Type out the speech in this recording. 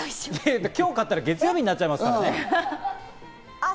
今日買ったら、月曜日になっちゃうからね。